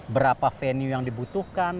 berapa venue yang dibutuhkan